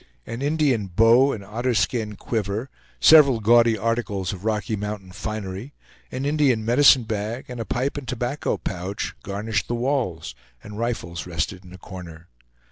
An Indian bow and otter skin quiver, several gaudy articles of Rocky Mountain finery, an Indian medicine bag, and a pipe and tobacco pouch, garnished the walls, and rifles rested in a corner.